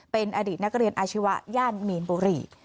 เป็นอดีตนักเรียนอาชีวะย่านมีนบุรี